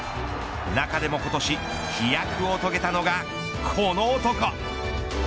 中でも今年飛躍を遂げたのがこの男。